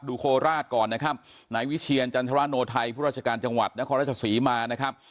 โคราชก่อนนะครับนายวิเชียรจันทรโนไทยผู้ราชการจังหวัดนครราชศรีมานะครับ